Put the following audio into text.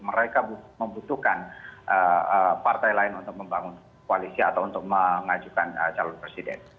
mereka membutuhkan partai lain untuk membangun koalisi atau untuk mengajukan calon presiden